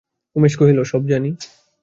উমেশ কহিল, সব জানি।